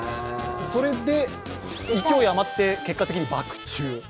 それで勢いあまって結果的にバク宙。